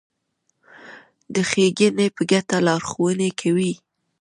د ښېګڼې په ګټه لارښوونې کوي.